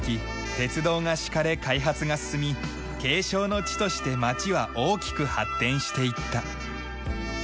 鉄道が敷かれ開発が進み景勝の地として町は大きく発展していった。